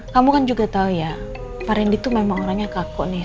kamu kan juga tahu ya pak rendy tuh memang orangnya kaku nih